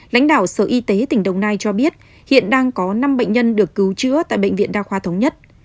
lãnh đạo sở y tế tỉnh đồng nai cho biết hiện đang có năm bệnh nhân được cứu chữa tại bệnh viện đa khoa thống nhất